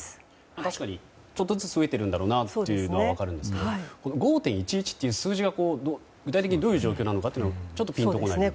確かにちょっとずつ増えているのは分かるんですけど５．１１という数字が具体的にどういう状況なのかちょっとピンとこないです。